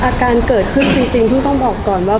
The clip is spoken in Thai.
อาการเกิดขึ้นจริงเพิ่งต้องบอกก่อนว่า